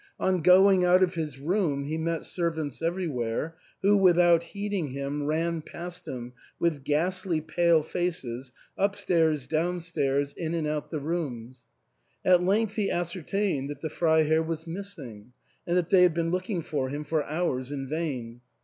On going out of his room he met servants everywhere, who, without heeding him, ran past him with ghastly pale faces, upstairs, downstairs, in and out the rooms. At length he ascertained that the Freiherr was missing, and that they had been looking for him for hours in vain.